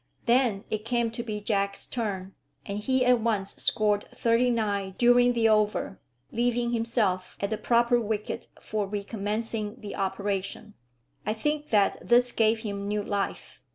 Then it came to be Jack's turn, and he at once scored thirty nine during the over, leaving himself at the proper wicket for re commencing the operation. I think that this gave him new life.